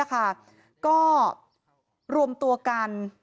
ก็รวมตัวกัน